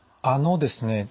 あのですね